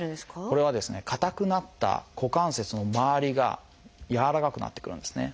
これはですね硬くなった股関節の周りが柔らかくなってくるんですね。